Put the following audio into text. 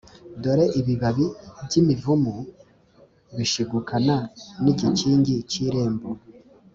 dore ibibabi by' imivumu bishigukana n' igikingi cy' irembo.